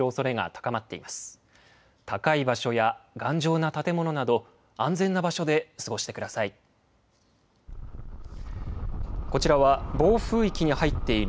高い場所や頑丈な建物など、安全な場所で過ごしてください。